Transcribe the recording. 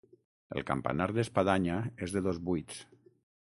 El campanar d'espadanya és de dos buits.